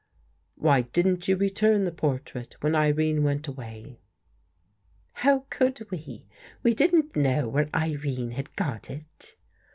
" Why didn't you return the portrait when Irene went away? "'' How could we? We didn't know where Irene had got it."